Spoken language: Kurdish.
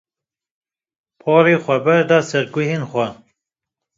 Porê xwa berda ser guhên xwe.